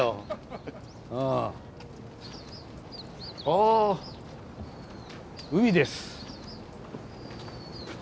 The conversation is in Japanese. あ海です。